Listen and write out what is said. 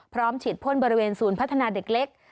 พร้อมฉีดพ่นบริเวณศูนย์พัฒนาเด็กเล็ก